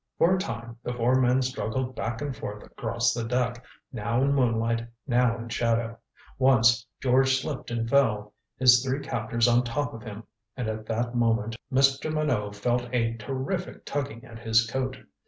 For a time the four men struggled back and forth across the deck, now in moonlight, now in shadow. Once George slipped and fell, his three captors on top of him, and at that moment Mr. Minot felt a terrific tugging at his coat.